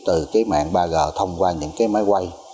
từ mạng ba g thông qua những máy quay